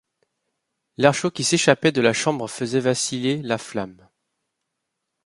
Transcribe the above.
L'air chaud qui s'échappait de la chambre faisait vaciller la flamme.